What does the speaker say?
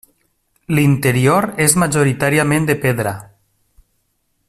L'interior és majoritàriament de pedra.